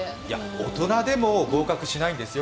大人でも合格しないんですよ。